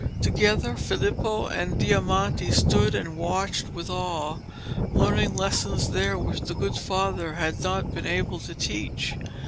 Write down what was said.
Together Filippo and Diamante stood and watched with awe, learning lessons there which the good father had not been able to teach.